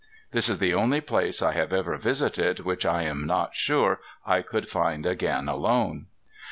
This is the only place I have ever visited which I am not sure I could find again alone.